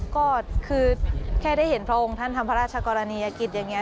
ก็คือแค่ได้เห็นพระองค์ท่านทำพระราชกรณียกิจอย่างนี้